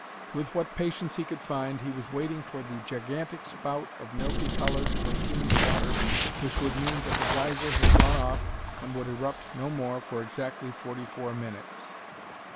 With what patience he could find, he was waiting for the gigantic spout of milky colored, perfumed water which would mean that the geyser had gone off and would erupt no more for exactly forty four minutes.